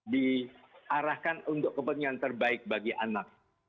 diarahkan untuk kepentingan terbaik bagi anak